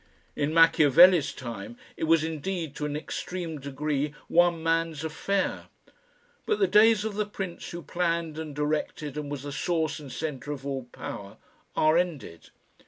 In Machiavelli's time it was indeed to an extreme degree one man's affair. But the days of the Prince who planned and directed and was the source and centre of all power are ended.